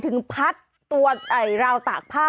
ถึงพัดตัวราวตากผ้า